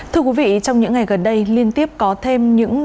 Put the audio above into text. thưa quý vị trong những ngày gần đây liên tiếp có thêm những